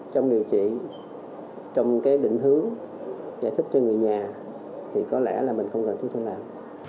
trong điều trị trong cái định hướng giải thích cho người nhà thì có lẽ là mình không cần tiếp theo làm